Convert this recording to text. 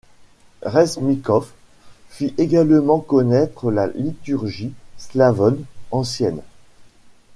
Reznikoff fit également connaître la liturgie slavonne ancienne.